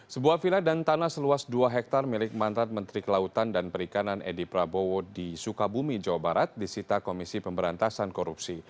sebuah villa dan tanah seluas dua hektare milik mantan menteri kelautan dan perikanan edi prabowo di sukabumi jawa barat disita komisi pemberantasan korupsi